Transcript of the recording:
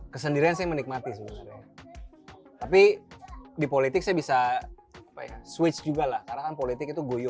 kesendirian saya menikmati sebenarnya tapi di politik saya bisa apa ya switch juga lah karena kan politik itu goyo